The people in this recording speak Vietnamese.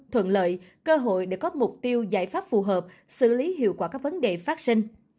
thuận lợi cơ hội để có mục tiêu giải pháp phù hợp xử lý hiệu quả các vấn đề phát sinh